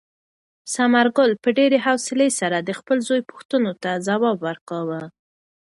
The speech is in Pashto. ثمرګل په ډېرې حوصلې سره د خپل زوی پوښتنو ته ځواب ورکاوه.